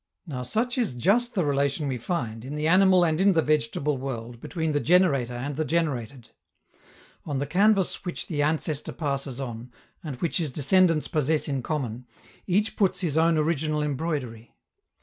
Now, such is just the relation we find, in the animal and in the vegetable world between the generator and the generated: on the canvas which the ancestor passes on, and which his descendants possess in common, each puts his own original embroidery.